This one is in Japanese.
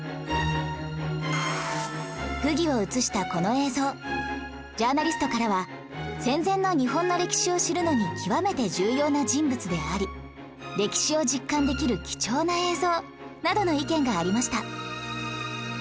溥儀を映したこの映像ジャーナリストからは「戦前の日本の歴史を知るのに極めて重要な人物であり歴史を実感できる貴重な映像」などの意見がありました